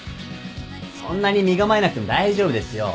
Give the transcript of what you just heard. そんなに身構えなくても大丈夫ですよ。